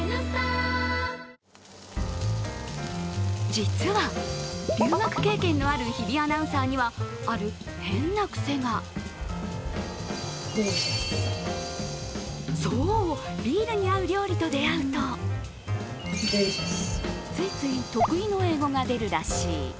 実は、留学経験のある日比アナウンサーには、ある変な癖がそう、ビールに合う料理と出会うとついつい得意の英語が出るらしい。